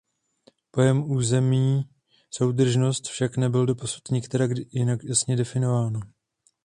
Pojem územní soudržnosti však nebyl doposud nikterak jasně definován.